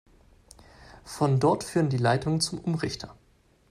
Von dort führen die Leitungen zum Umrichter.